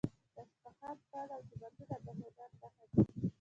د اصفهان پل او جوماتونه د هنر نښه دي.